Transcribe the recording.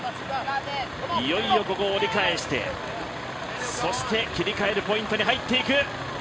いよいよ、ここ、折り返してそして、切り替えるポイントに入っていく！